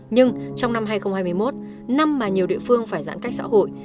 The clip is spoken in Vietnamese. nhưng trong năm hai nghìn hai mươi một năm mà nhiều địa phương phải giãn cách xã hội